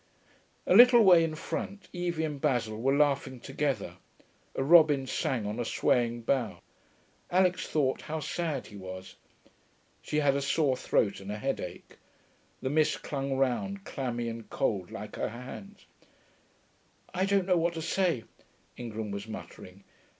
A little way in front Evie and Basil were laughing together. A robin sang on a swaying bough. Alix thought how sad he was. She had a sore throat and a headache. The mist clung round, clammy and cold, like her hands.... 'I don't know what to say,' Ingram was muttering.